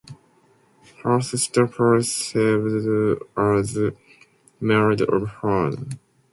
Her sister, Paris, served as maid of honor.